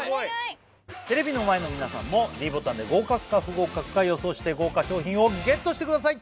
テレビの前の皆さんもｄボタンで合格か不合格か予想して豪華賞品をＧＥＴしてください